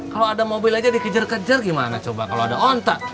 kalau ada mobil aja dikejar kejar gimana coba kalau ada ontak